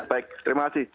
ya baik terima kasih